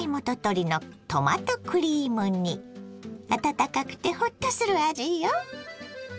温かくてホッとする味よ。